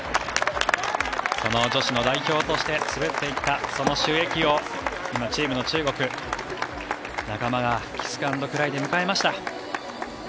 その女子の代表として滑っていったそのシュ・エキを今、チームの中国、仲間がキスアンドクライで迎えました。